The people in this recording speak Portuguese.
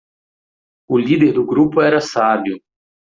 O líder do grupo era sábio.